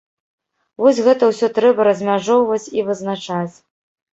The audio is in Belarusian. Вось гэта ўсё трэба размяжоўваць і вызначаць.